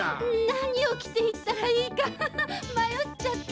なにをきていったらいいかハハまよっちゃって。